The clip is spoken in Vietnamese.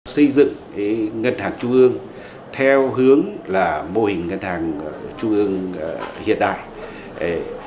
xây dựng ngân hàng trung ương theo hướng là mô hình ngân hàng trung ương hiện đại